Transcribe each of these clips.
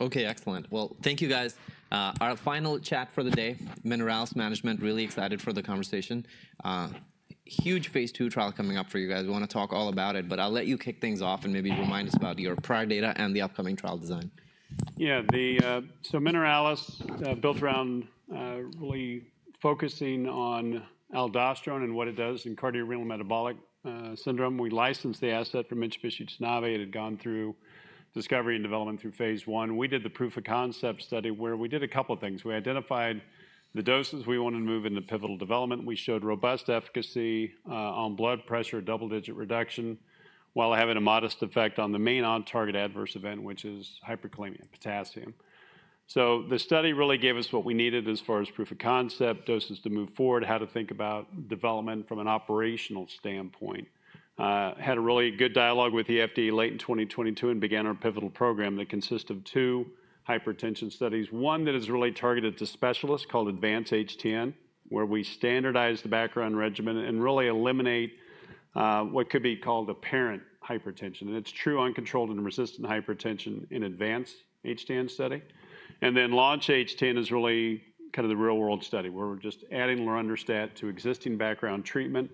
OK, excellent. Thank you, guys. Our final chat for the day: Mineralys Management. Really excited for the conversation. Huge phase 2 trial coming up for you guys. We want to talk all about it, but I'll let you kick things off and maybe remind us about your prior data and the upcoming trial design. Yeah, so Mineralys is built around really focusing on aldosterone and what it does in cardiorenal metabolic syndrome. We licensed the asset from Mitsubishi Tanabe. It had gone through discovery and development through phase 1. We did the proof of concept study where we did a couple of things. We identified the doses we wanted to move into pivotal development. We showed robust efficacy on blood pressure, double-digit reduction, while having a modest effect on the main on-target adverse event, which is hyperkalemia, potassium. So the study really gave us what we needed as far as proof of concept, doses to move forward, how to think about development from an operational standpoint. We had a really good dialogue with the FDA late in 2022 and began our pivotal program that consists of two hypertension studies. One that is really targeted to specialists called Advance-HTN, where we standardize the background regimen and really eliminate what could be called apparent hypertension, and it's true uncontrolled and resistant hypertension in Advance-HTN study, and then Launch-HTN is really kind of the real-world study where we're just adding lorundrostat to existing background treatment.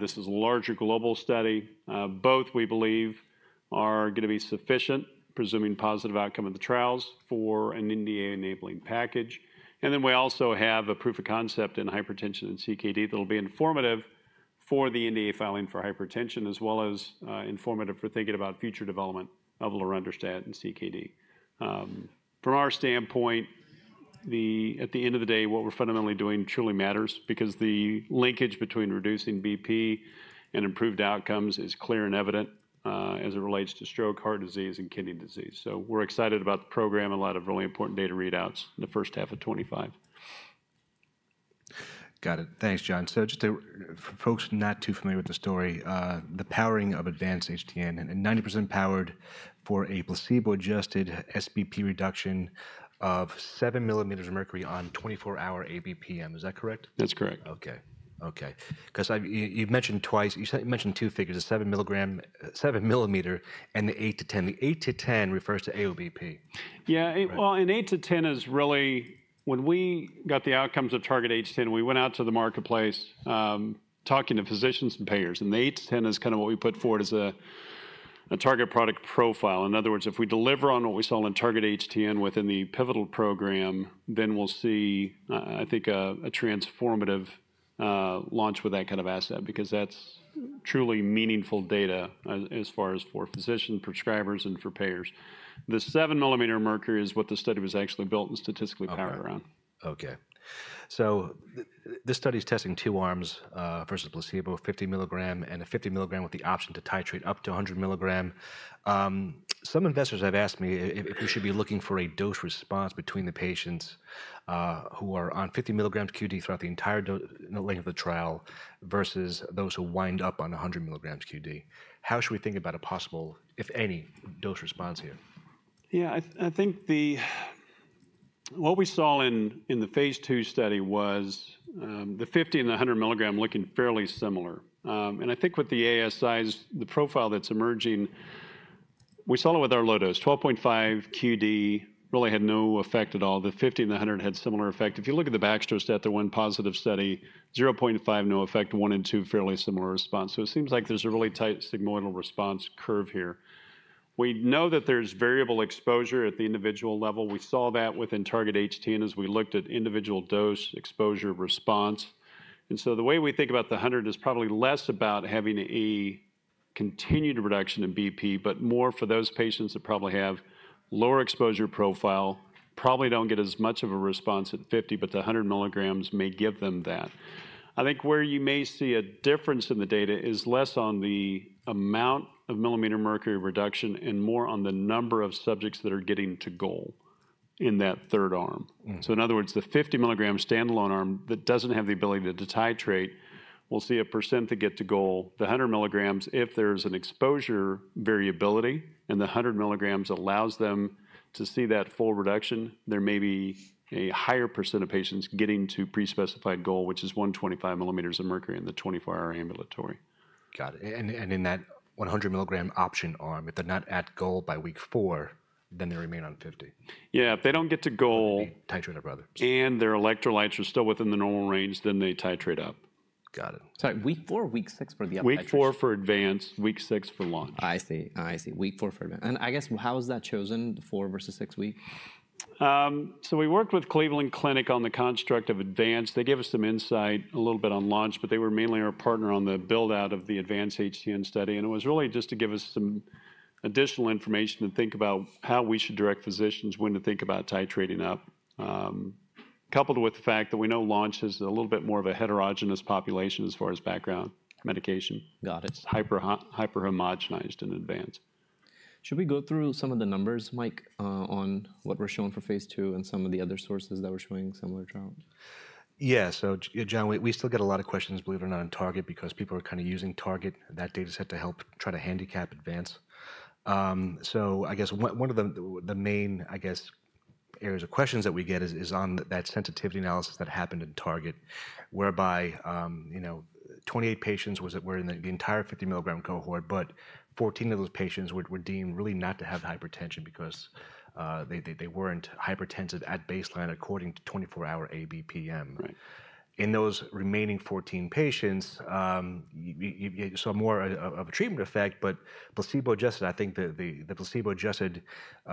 This is a larger global study. Both, we believe, are going to be sufficient, presuming positive outcome of the trials, for an NDA-enabling package, and then we also have a proof of concept in hypertension and CKD that'll be informative for the NDA filing for hypertension, as well as informative for thinking about future development of lorundrostat and CKD. From our standpoint, at the end of the day, what we're fundamentally doing truly matters because the linkage between reducing BP and improved outcomes is clear and evident as it relates to stroke, heart disease, and kidney disease. So we're excited about the program and a lot of really important data readouts in the first half of 2025. Got it. Thanks, Jon. So just for folks not too familiar with the story, the powering of Advance-HTN, and 90% powered for a placebo-adjusted SBP reduction of 7 millimeters of mercury on 24-hour ABPM. Is that correct? That's correct. OK, OK. Because you mentioned twice, you mentioned two figures, the seven millimeter and the 8-10. The 8-10 refers to AOBP. Yeah, well, and 8-10 is really, when we got the outcomes of Target-HTN, we went out to the marketplace talking to physicians and payers. And the 8-10 is kind of what we put forward as a target product profile. In other words, if we deliver on what we saw in Target-HTN within the pivotal program, then we'll see, I think, a transformative launch with that kind of asset because that's truly meaningful data as far as for physicians, prescribers, and for payers. The 7 millimeters of mercury is what the study was actually built and statistically powered around. OK. So this study is testing two arms versus placebo, 50 milligram and a 50 milligram with the option to titrate up to 100 milligram. Some investors have asked me if we should be looking for a dose response between the patients who are on 50 milligrams q.d. throughout the entire length of the trial versus those who wind up on 100 milligrams q.d. How should we think about a possible, if any, dose response here? Yeah, I think what we saw in the phase 2 study was the 50- and 100-milligram looking fairly similar. I think with the ASIs, the profile that's emerging. We saw it with our low dose, 12.5 q.d., really had no effect at all. The 50 and the 100 had similar effect. If you look at the baxdrostat, the one positive study, 0.5, no effect, one and two fairly similar response. It seems like there's a really tight sigmoidal response curve here. We know that there's variable exposure at the individual level. We saw that within Target-HTN as we looked at individual dose exposure response. The way we think about the 100 is probably less about having a continued reduction in BP, but more for those patients that probably have lower exposure profile, probably don't get as much of a response at 50, but the 100 milligrams may give them that. I think where you may see a difference in the data is less on the amount of millimeters of mercury reduction and more on the number of subjects that are getting to goal in that third arm. In other words, the 50 milligram standalone arm that doesn't have the ability to titrate, we'll see a percent that get to goal. The 100 milligrams, if there's an exposure variability and the 100 milligrams allows them to see that full reduction, there may be a higher percent of patients getting to prespecified goal, which is 125 millimeters of mercury in the 24-hour ambulatory. Got it. And in that 100 milligram option arm, if they're not at goal by week four, then they remain on 50. Yeah, if they don't get to goal. Titrate up, rather. Their electrolytes are still within the normal range. Then they titrate up. Got it. Week four or week six for the updates? Week four for Advance, week six for Launch. I see, I see. Week four for Advance. And I guess, how is that chosen, four versus six week? We worked with Cleveland Clinic on the construct of Advance-HTN. They gave us some insight a little bit on Launch-HTN, but they were mainly our partner on the build-out of the Advance-HTN study. It was really just to give us some additional information to think about how we should direct physicians when to think about titrating up, coupled with the fact that we know Launch-HTN has a little bit more of a heterogeneous population as far as background medication. Got it. It's hyper-homogenized in Advance. Should we go through some of the numbers, Mike, on what we're showing for phase 2 and some of the other sources that we're showing similar trials? Yeah, so Jon, we still get a lot of questions, believe it or not, on Target because people are kind of using Target, that data set to help try to handicap Advance. So I guess one of the main, I guess, areas of questions that we get is on that sensitivity analysis that happened in Target, whereby 28 patients were in the entire 50 milligram cohort, but 14 of those patients were deemed really not to have hypertension because they weren't hypertensive at baseline according to 24-hour ABPM. In those remaining 14 patients, you saw more of a treatment effect, but placebo-adjusted, I think the placebo-adjusted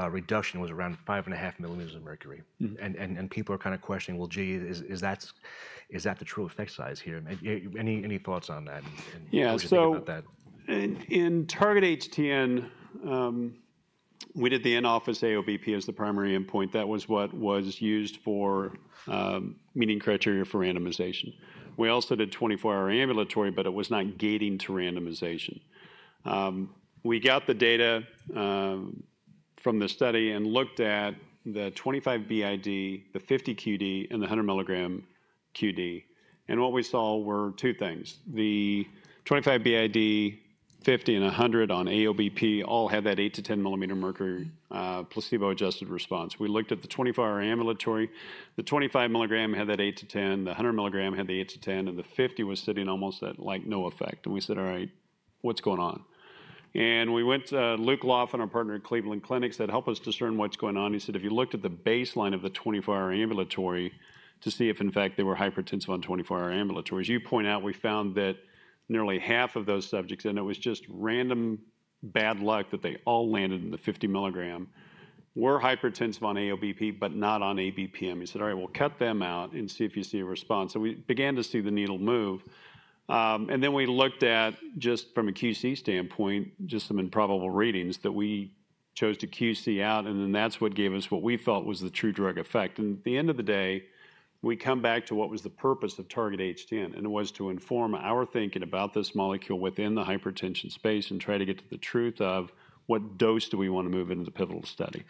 reduction was around 5.5 millimeters of mercury. And people are kind of questioning, well, gee, is that the true effect size here? Any thoughts on that? Yeah, so in Target-HTN, we did the in-office AOBP as the primary endpoint. That was what was used for meeting criteria for randomization. We also did 24-hour ambulatory, but it was not gating to randomization. We got the data from the study and looked at the 25 BID, the 50 q.d., and the 100 milligram q.d. And what we saw were two things. The 25 BID, 50, and 100 on AOBP all had that 8-10 millimeter mercury placebo-adjusted response. We looked at the 24-hour ambulatory. The 25 milligram had that 8-10, the 100 milligram had the 8-10, and the 50 was sitting almost at like no effect. And we said, all right, what's going on? And we went to Luke Laffin, our partner at Cleveland Clinic, said, help us discern what's going on. He said, if you looked at the baseline of the 24-hour ambulatory to see if, in fact, they were hypertensive on 24-hour ambulatory, as you point out, we found that nearly half of those subjects, and it was just random bad luck that they all landed in the 50 milligram, were hypertensive on AOBP but not on ABPM. He said, all right, we'll cut them out and see if you see a response. So we began to see the needle move. And then we looked at, just from a QC standpoint, just some improbable readings that we chose to QC out. And then that's what gave us what we felt was the true drug effect. And at the end of the day, we come back to what was the purpose of Target-HTN. It was to inform our thinking about this molecule within the hypertension space and try to get to the truth of what dose do we want to move into the pivotal study.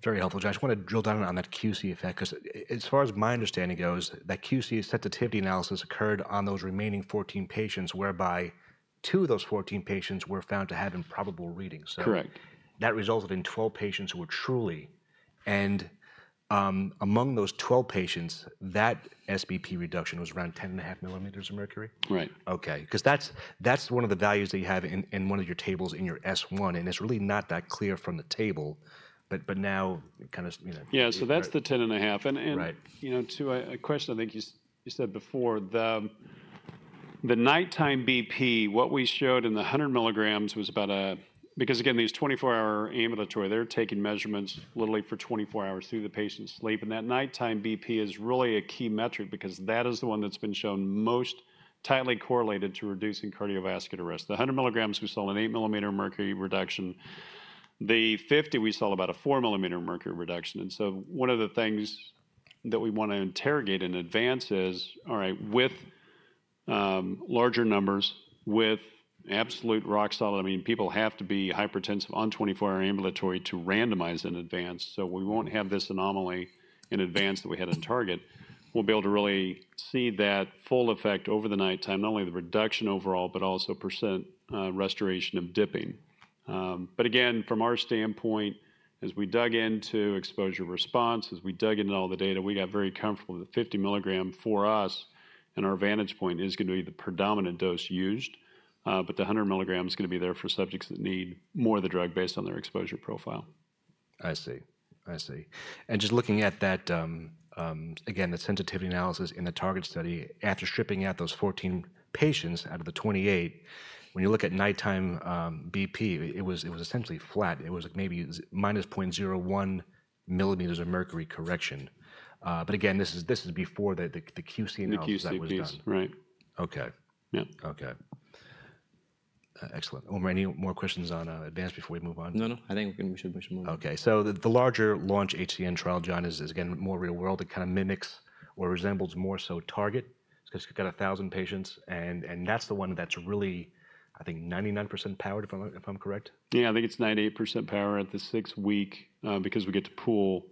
Very helpful, Jon. I want to drill down on that QC effect because as far as my understanding goes, that QC sensitivity analysis occurred on those remaining 14 patients whereby two of those 14 patients were found to have improbable readings. Correct. That resulted in 12 patients who were truly, and among those 12 patients, that SBP reduction was around 10.5 millimeters of mercury. Right. OK, because that's one of the values that you have in one of your tables in your S-1, and it's really not that clear from the table. But now, kind of. Yeah, so that's the 10 and 1/2. And to a question I think you said before, the nighttime BP, what we showed in the 100 milligrams was about a, because again, these 24-hour ambulatory, they're taking measurements literally for 24 hours through the patient's sleep. And that nighttime BP is really a key metric because that is the one that's been shown most tightly correlated to reducing cardiovascular risk. The 100 milligrams we saw an 8 mm Hg reduction. The 50 we saw about a 4 mm Hg reduction. And so one of the things that we want to interrogate in Advance is, all right, with larger numbers, with absolute rock solid, I mean, people have to be hypertensive on 24-hour ambulatory to randomize in Advance. So we won't have this anomaly in Advance that we had in Target. We'll be able to really see that full effect over the nighttime, not only the reduction overall, but also percent restoration of dipping. But again, from our standpoint, as we dug into exposure response, as we dug into all the data, we got very comfortable that 50 milligram for us and our vantage point is going to be the predominant dose used. But the 100 milligram is going to be there for subjects that need more of the drug based on their exposure profile. I see, I see, and just looking at that, again, the sensitivity analysis in the Target-HTN study, after stripping out those 14 patients out of the 28, when you look at nighttime BP, it was essentially flat. It was like maybe minus 0.01 millimeters of mercury correction, but again, this is before the QC analysis that was done. The QC piece, right? OK. Yeah. OK. Excellent. Omar, any more questions on Advance before we move on? No, no. I think we should move on. Okay, so the larger Launch-HTN trial, Jon, is again more real-world. It kind of mimics or resembles more so Target-HTN because you've got 1,000 patients. And that's the one that's really, I think, 99% powered, if I'm correct. Yeah, I think it's 98% power at the six-week because we get to pool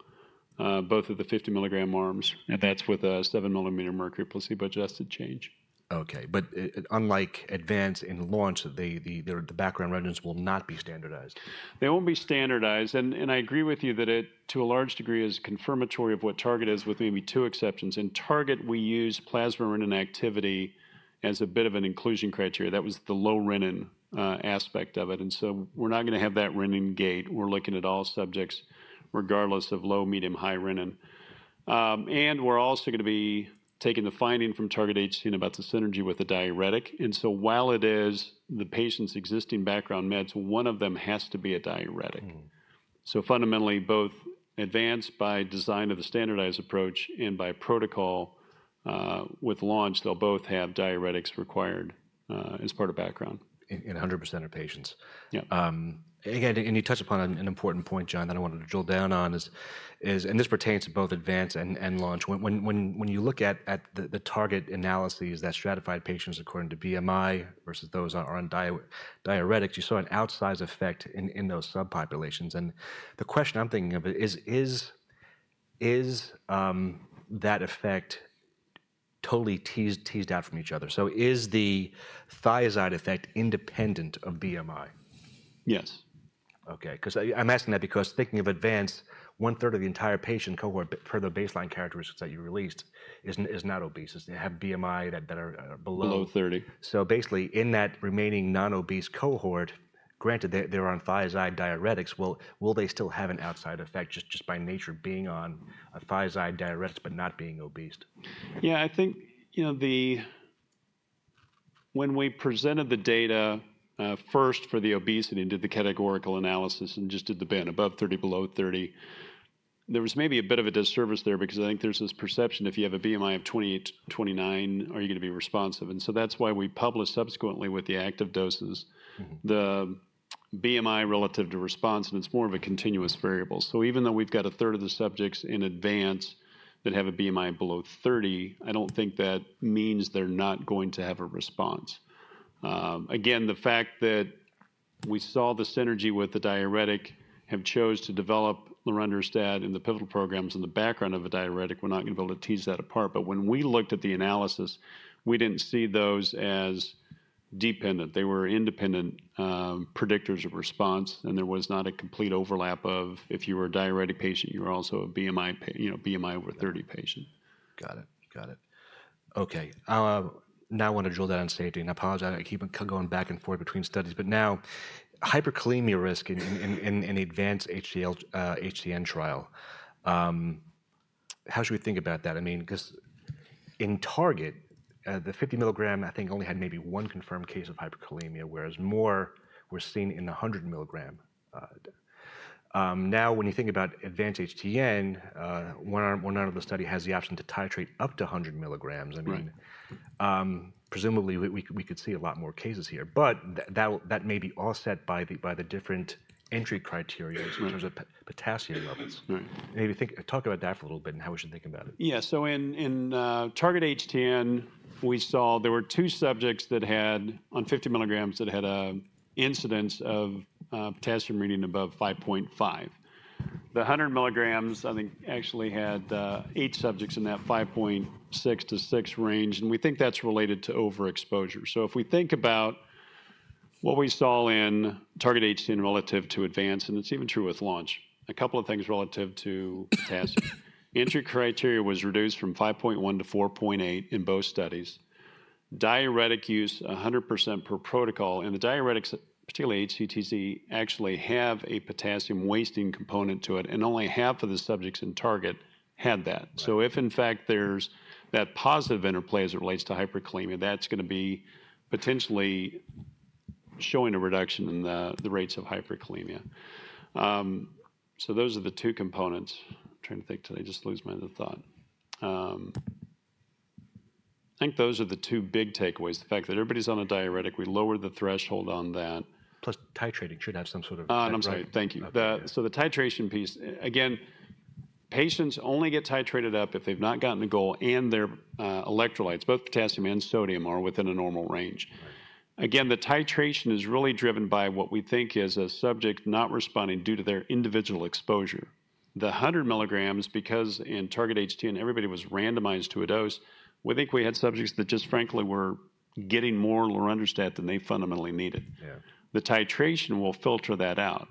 both of the 50 milligram arms, and that's with a 7 millimeter mercury placebo-adjusted change. OK, but unlike Advance and Launch, the background regimen will not be standardized. They won't be standardized. And I agree with you that it, to a large degree, is confirmatory of what Target-HTN is with maybe two exceptions. In Target-HTN, we use plasma renin activity as a bit of an inclusion criteria. That was the low renin aspect of it. And so we're not going to have that renin gate. We're looking at all subjects regardless of low, medium, high renin. And we're also going to be taking the finding from Target-HTN about the synergy with a diuretic. And so while it is the patient's existing background meds, one of them has to be a diuretic. So fundamentally, both Advance-HTN by design of the standardized approach and by protocol with Launch-HTN, they'll both have diuretics required as part of background. In 100% of patients. Yeah. Again, and you touched upon an important point, Jon, that I wanted to drill down on is, and this pertains to both Advance-HTN and Launch-HTN. When you look at the Target-HTN analyses, that stratified patients according to BMI versus those on diuretics, you saw an outsized effect in those subpopulations. And the question I'm thinking of is, is that effect totally teased out from each other? So is the thiazide effect independent of BMI? Yes. OK, because I'm asking that, thinking of Advance, one third of the entire patient cohort per the baseline characteristics that you released is not obese. They have BMI that are below. Below 30. So basically, in that remaining non-obese cohort, granted they're on thiazide diuretics, will they still have an outsized effect just by nature being on thiazide diuretics but not being obese? Yeah, I think when we presented the data first for the obesity and did the categorical analysis and just did the band above 30, below 30, there was maybe a bit of a disservice there because I think there's this perception, if you have a BMI of 28, 29, are you going to be responsive? And so that's why we published subsequently with the active doses the BMI relative to response, and it's more of a continuous variable. So even though we've got a third of the subjects in Advance that have a BMI below 30, I don't think that means they're not going to have a response. Again, the fact that we saw the synergy with the diuretic. We have chosen to develop lorundrostat and the pivotal programs in the background of a diuretic, we're not going to be able to tease that apart. But when we looked at the analysis, we didn't see those as dependent. They were independent predictors of response. And there was not a complete overlap of if you were a diuretic patient, you were also a BMI over 30 patient. Got it, got it. OK, now I want to drill down and say, I apologize, I keep going back and forth between studies, but now hyperkalemia risk in the Advance-HTN trial. How should we think about that? I mean, because in Target-HTN, the 50 milligram, I think, only had maybe one confirmed case of hyperkalemia, whereas more were seen in the 100 milligram. Now, when you think about Advance-HTN, one arm of the study has the option to titrate up to 100 milligrams. I mean, presumably, we could see a lot more cases here. But that may be offset by the different entry criteria in terms of potassium levels. Maybe talk about that for a little bit and how we should think about it. Yeah, so in Target-HTN, we saw there were two subjects that had on 50 milligrams that had an incidence of potassium reading above 5.5. The 100 milligrams, I think, actually had eight subjects in that 5.6 to 6 range. And we think that's related to overexposure. So if we think about what we saw in Target-HTN relative to Advance-HTN, and it's even true with Launch-HTN, a couple of things relative to potassium. Entry criteria was reduced from 5.1 to 4.8 in both studies. Diuretic use 100% per protocol. And the diuretics, particularly HCTZ, actually have a potassium wasting component to it. And only half of the subjects in Target-HTN had that. So if, in fact, there's that positive interplay as it relates to hyperkalemia, that's going to be potentially showing a reduction in the rates of hyperkalemia. So those are the two components. I'm trying to think today. I just lost my other thought. I think those are the two big takeaways, the fact that everybody's on a diuretic. We lowered the threshold on that. Plus titrating should have some sort of. I'm sorry. Thank you. So the titration piece, again, patients only get titrated up if they've not gotten the goal and their electrolytes, both potassium and sodium, are within a normal range. Again, the titration is really driven by what we think is a subject not responding due to their individual exposure. The 100 milligrams, because in Target-HTN, everybody was randomized to a dose, we think we had subjects that just frankly were getting more lorundrostat than they fundamentally needed. The titration will filter that out.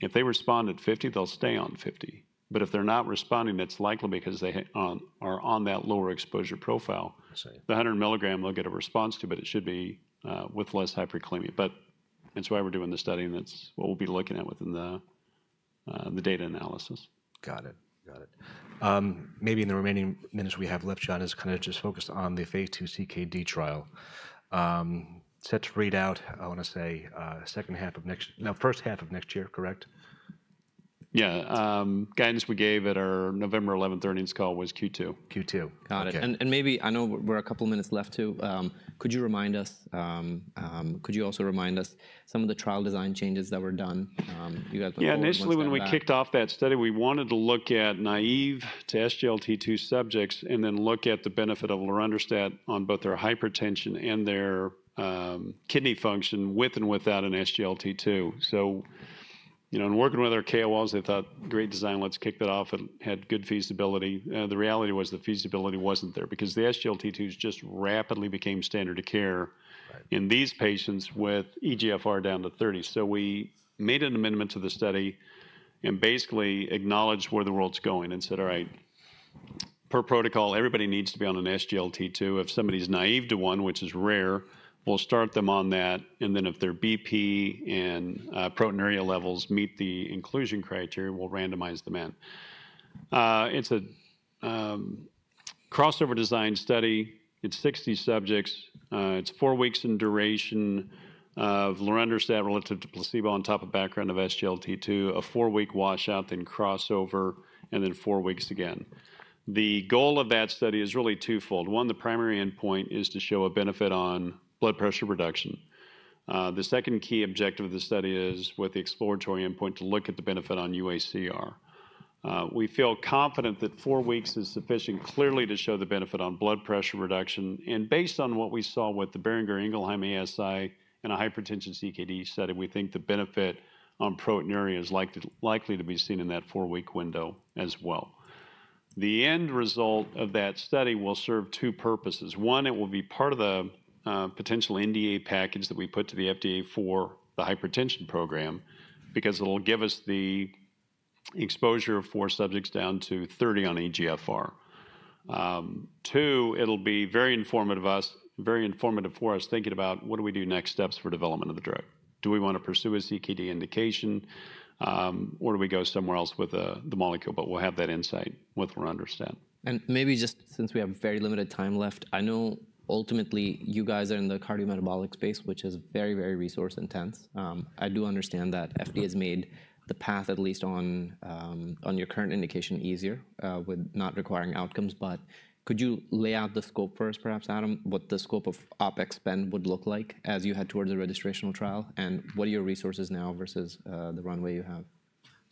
If they respond at 50, they'll stay on 50. But if they're not responding, that's likely because they are on that lower exposure profile. The 100 milligram, they'll get a response to, but it should be with less hyperkalemia. But that's why we're doing the study. And that's what we'll be looking at within the data analysis. Got it, got it. Maybe in the remaining minutes we have left, Jon, is kind of just focused on the phase 2 CKD trial. Set to read out, I want to say, second half of next year, no, first half of next year, correct? Yeah, guidance we gave at our November 11th earnings call was Q2. Q2, got it. And maybe I know we're a couple of minutes left too. Could you also remind us some of the trial design changes that were done? Yeah, initially when we kicked off that study, we wanted to look at naive to SGLT2 subjects and then look at the benefit of lorundrostat on both their hypertension and their kidney function with and without an SGLT2. So in working with our KOLs, they thought, great design, let's kick that off. It had good feasibility. The reality was the feasibility wasn't there because the SGLT2s just rapidly became standard of care in these patients with eGFR down to 30. So we made an amendment to the study and basically acknowledged where the world's going and said, all right, per protocol, everybody needs to be on an SGLT2. If somebody's naive to one, which is rare, we'll start them on that. And then if their BP and proteinuria levels meet the inclusion criteria, we'll randomize them in. It's a crossover design study. It's 60 subjects. It's four weeks in duration of lorundrostat relative to placebo on top of background of SGLT2, a four-week washout, then crossover, and then four weeks again. The goal of that study is really twofold. One, the primary endpoint is to show a benefit on blood pressure reduction. The second key objective of the study is with the exploratory endpoint to look at the benefit on UACR. We feel confident that four weeks is sufficient clearly to show the benefit on blood pressure reduction. And based on what we saw with the Boehringer Ingelheim ASI and a hypertension CKD study, we think the benefit on proteinuria is likely to be seen in that four-week window as well. The end result of that study will serve two purposes. One, it will be part of the potential NDA package that we put to the FDA for the hypertension program because it'll give us the exposure of four subjects down to 30 on eGFR. Two, it'll be very informative for us thinking about what do we do next steps for development of the drug. Do we want to pursue a CKD indication, or do we go somewhere else with the molecule? But we'll have that insight with lorundrostat. And maybe just since we have very limited time left, I know ultimately you guys are in the cardiometabolic space, which is very, very resource intense. I do understand that FDA has made the path, at least on your current indication, easier with not requiring outcomes. But could you lay out the scope for us, perhaps, Adam, what the scope of OpEx spend would look like as you head towards the registrational trial? And what are your resources now versus the runway you have?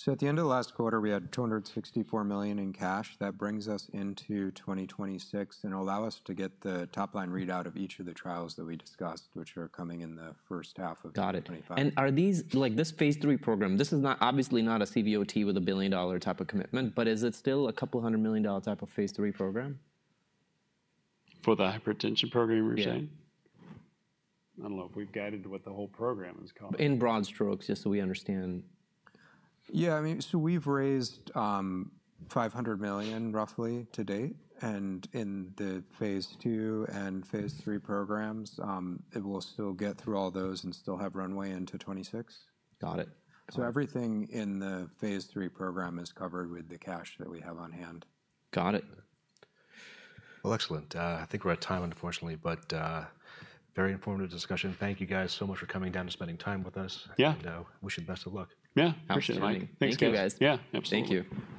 So at the end of last quarter, we had $264 million in cash. That brings us into 2026. And it'll allow us to get the top line readout of each of the trials that we discussed, which are coming in the first half of 2025. Got it. And are these, like this phase 3 program, this is obviously not a CVOT with a $1 billion-dollar type of commitment, but is it still a couple hundred million-dollar type of phase 3 program? For the hypertension program, you're saying? Yeah. I don't know if we've guided what the whole program is called. In broad strokes, just so we understand. Yeah, I mean, so we've raised $500 million roughly to date, and in the phase 2 and phase 3 programs, it will still get through all those and still have runway into 2026. Got it. Everything in the phase 3 program is covered with the cash that we have on hand. Got it. Well, excellent. I think we're at time, unfortunately, but very informative discussion. Thank you guys so much for coming down and spending time with us. Yeah. Wishing best of luck. Yeah, appreciate it. Thanks, guys. Yeah, absolutely. Thank you.